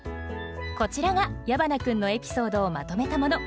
こちらが矢花君のエピソードをまとめたもの。